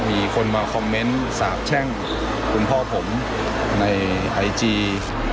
มีคนมาคอมเมนต์สาบแช่งคุณพ่อผมในไอจี